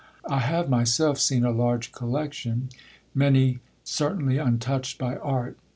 I have myself seen a large collection, many certainly untouched by art.